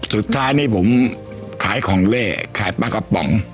สุดท้ายนี่ผมขายของเล่ขายปลากระป๋อง